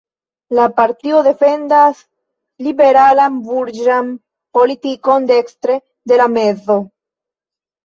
La partio defendas liberalan burĝan politikon dekstre de la mezo.